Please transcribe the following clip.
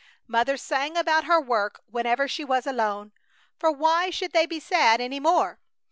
Mother sang about her work whenever she was alone. For why should they be sad any more?